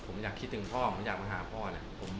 ผมอยากคิดถึงพ่อผมอยากมาหาพ่อแหละ